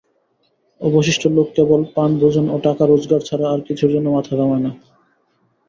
অবশিষ্ট লোকে কেবল পানভোজন ও টাকা-রোজগার ছাড়া আর কিছুর জন্য মাথা ঘামায় না।